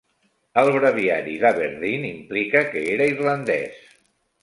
El Breviari d'Aberdeen implica que era irlandès.